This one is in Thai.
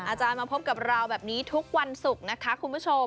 อาจารย์มาพบกับเราแบบนี้ทุกวันศุกร์นะคะคุณผู้ชม